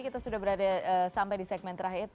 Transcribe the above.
kita sudah berada sampai di segmen terakhir